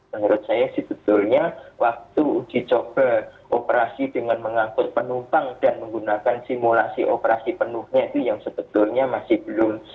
menurut saya sebetulnya waktu uji coba operasi dengan mengangkut penumpang dan menggunakan simulasi operasi penuhnya itu yang sebetulnya masih belum